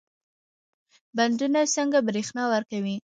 بندونه څنګه برښنا ورکوي؟